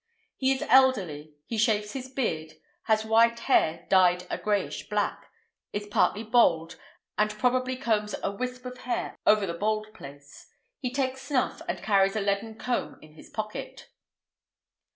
He is elderly, he shaves his beard, has white hair dyed a greyish black, is partly bald, and probably combs a wisp of hair over the bald place; he takes snuff, and carries a leaden comb in his pocket."